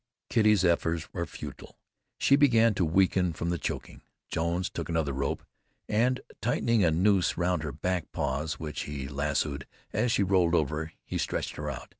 Kitty's efforts were futile; she began to weaken from the choking. Jones took another rope, and tightening a noose around her back paws, which he lassoed as she rolled over, he stretched her out.